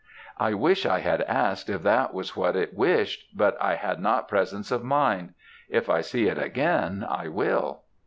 I wish I had asked if that was what it wished, but I had not presence of mind; if I see it again, I will.'